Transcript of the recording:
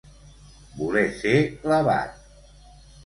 Voler ser l'abat.